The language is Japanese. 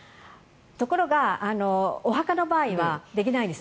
ところがお墓の場合はできないんです。